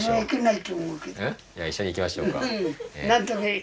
いや一緒に行きましょうか。